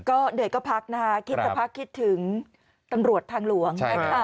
คิดสักพักคิดถึงตำรวจทางหลวง